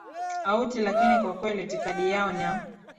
auti lakini kwa kweli itikadi yao na